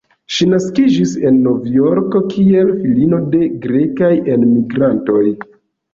Ŝi naskiĝis en Novjorko, kiel filino de grekaj enmigrintoj.